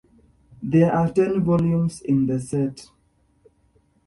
There are ten volumes in the set.